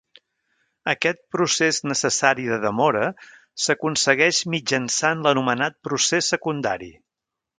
Aquest procés necessari de demora s'aconsegueix mitjançant l'anomenat procés secundari.